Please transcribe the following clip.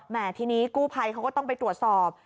ทีนี้กู้ภัยเขาก็ต้องไปตรวจสอบ